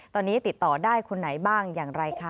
ตอนนี้ติดต่อได้คนไหนบ้างอย่างไรคะ